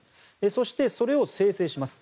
そして、それを精製します。